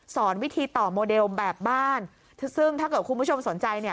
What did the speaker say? สอนวิธีต่อโมเดลแบบบ้านซึ่งถ้าเกิดคุณผู้ชมสนใจเนี่ย